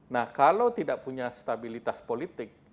nah kalau tidak punya stabilitas politik